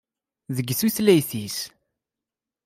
Deg tutlayt-is.